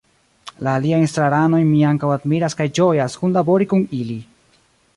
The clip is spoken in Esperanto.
La aliajn estraranojn mi ankaŭ admiras kaj ĝojas kunlabori kun ili.